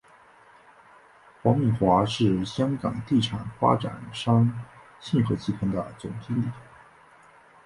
黄敏华是香港地产发展商信和集团总经理。